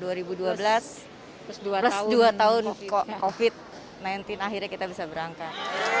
dua tahun covid sembilan belas akhirnya kita bisa berangkat